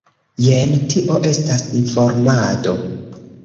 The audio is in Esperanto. Jen, tio estas informado.